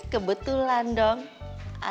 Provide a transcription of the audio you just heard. kebetulan dong pak